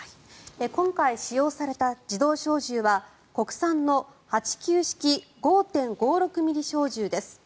今回、使用された自動小銃は国産の８９式５．５６ｍｍ小銃です。